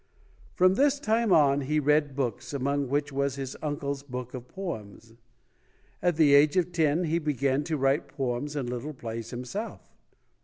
From this time on, he read books, among which was his uncle's book of poems. At the age of ten he began to write poems and little plays himself.